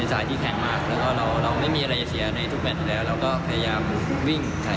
จะเชียร์แล้วก็ให้ฟังใจพวกผมเลย